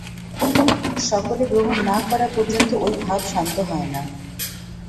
সকলে গ্রহণ না করা পর্যন্ত ঐ ভাব শান্ত হয় না।